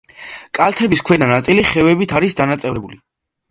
კალთების ქვედა ნაწილი ხევებით არის დანაწევრებული.